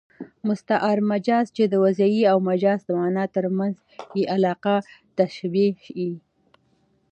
مستعار مجاز، چي د وضعي او مجازي مانا تر منځ ئې علاقه تشبېه يي.